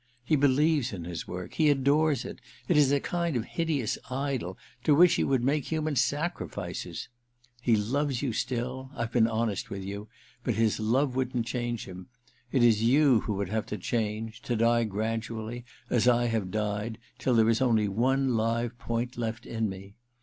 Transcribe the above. He believes in his work ; he adores it — it is a kind of hideous idol to which he would make human sacrifices ! He loves you still — I've been honest with you — but his love wouldn't change him. It is you who would have to change — to die gradually, as I have died, till there is onljr one live point left in me.